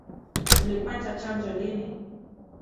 Ulipata chanjo lini?